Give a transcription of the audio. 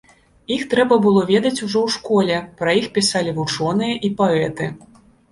Іх трэба было ведаць ўжо ў школе, пра іх пісалі вучоныя і паэты.